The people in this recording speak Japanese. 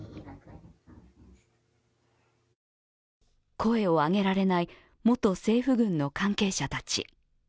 声を上げられない元政府軍の関係者たち。